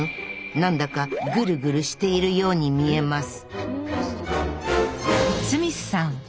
なんだかぐるぐるしているように見えます！